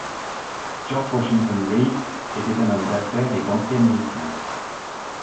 George Washington Riggs était un homme d'affaires et banquier américain.